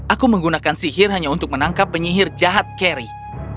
aku menggunakan sihir hanya untuk menangkap penyihir jahat carry